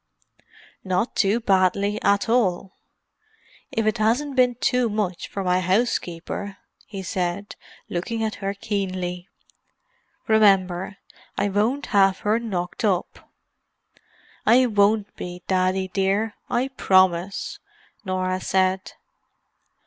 "Not too badly at all—if it hasn't been too much for my housekeeper," he said, looking at her keenly. "Remember, I won't have her knocked up." "I won't be, Daddy dear—I promise," Norah said.